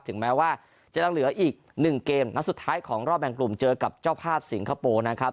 แม้ว่าจะยังเหลืออีก๑เกมนัดสุดท้ายของรอบแบ่งกลุ่มเจอกับเจ้าภาพสิงคโปร์นะครับ